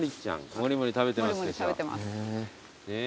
もりもり食べてます。ねぇ。